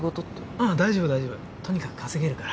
うん大丈夫大丈夫とにかく稼げるから。